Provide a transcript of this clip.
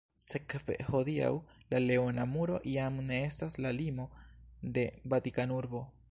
Sekve hodiaŭ la leona muro jam ne estas la limo de Vatikanurbo.